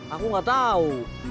aku gak tau